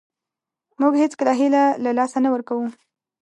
موږ هېڅکله هیله له لاسه نه ورکوو .